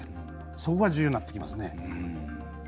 そこが重要になってきますね。